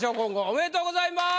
おめでとうございます。